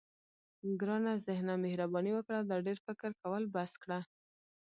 ګرانه ذهنه مهرباني وکړه دا ډېر فکر کول بس کړه.